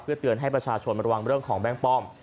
เพื่อเตือนให้ประชาชนระวังเรื่องของแบงค์ป้อม